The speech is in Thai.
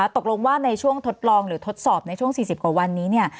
ตกลงว่าในช่วงทดลองหรือทดสอบในช่วง๔๐กว่าวันนี้เนี่ย